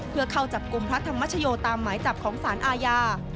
เพื่อเข้าจับกลุ่มพระธรรมชโยตามหมายจับของสารอาญา